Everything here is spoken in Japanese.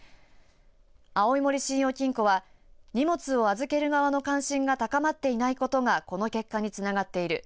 青い森信用金庫は荷物を預ける側の関心が高まっていないことがこの結果につながっている。